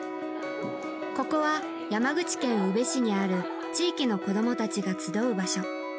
ここは山口県宇部市にある地域の子供たちが集う場所。